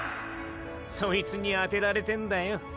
そいつにアテられてんだよ。